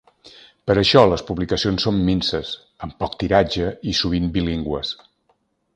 Per això les publicacions són minses, amb poc tiratge i sovint bilingües.